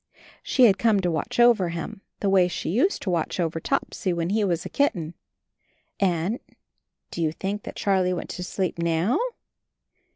She had come to watch over him, the way she used to watch over Topsy when he was a kitten. And — do you think that Charlie went to sleep now?